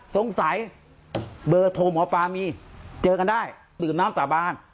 เบอร์โทรหมอปลามีเจอกันได้ดื่มน้ำสาบาน